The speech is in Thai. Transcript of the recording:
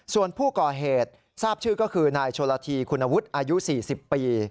ส่วนผู้ก่อเหตุทราบชื่อก็คือนายโชลธีคุณวุฒิอายุ๔๐ปี